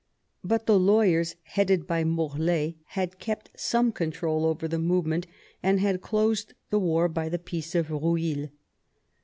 But the lawyers, headed by Mol^, had kept some control over the movement, and had closed the war by the Peace of Rueil.